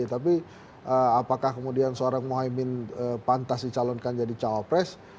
tapi apakah kemudian seorang muhaymin pantas dicalonkan jadi capres